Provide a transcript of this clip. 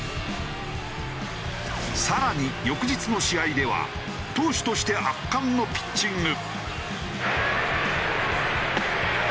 更に翌日の試合では投手として圧巻のピッチング。